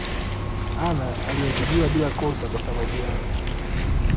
Anna aliadhibiwa bila kosa kwasababu yangu